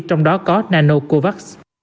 trong đó có nanocovax